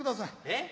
えっ？